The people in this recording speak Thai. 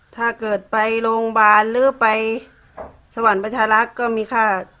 ถ้าเกิดไปโรงพยาบาลหรือไปสวรรค์ประชาลักษมณะก็ต้องมีค่าใช้จ่ายอะค่ะ